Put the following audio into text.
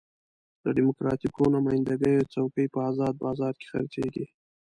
د ډیموکراتیکو نماینده ګیو څوکۍ په ازاد بازار کې خرڅېږي.